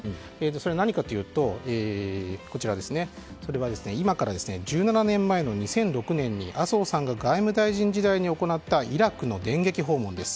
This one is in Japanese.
それは何かというと今から１７年前の２００６年に麻生さんが外務大臣時代に行ったイラクの電撃訪問です。